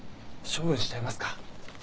処分しちゃいますか？